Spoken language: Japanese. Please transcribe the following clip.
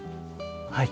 はい。